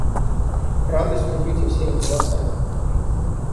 Радость трубите всеми голосами!